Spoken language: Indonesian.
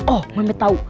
oh meme tau